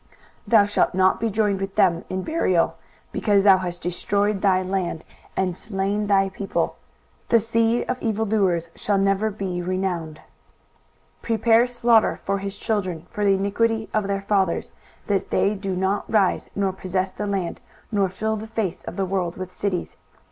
23:014:020 Thou shalt not be joined with them in burial, because thou hast destroyed thy land, and slain thy people: the seed of evildoers shall never be renowned. 23:014:021 Prepare slaughter for his children for the iniquity of their fathers; that they do not rise, nor possess the land, nor fill the face of the world with cities.